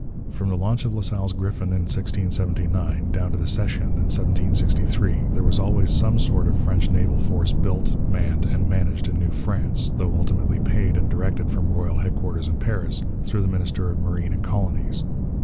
From the launch of La Salle's Griffon in 1679 down to the Cession in 1763 there was always some sort of French naval force built, manned, and managed in New France, though ultimately paid and directed from royal headquarters in Paris through the minister of Marine and Colonies.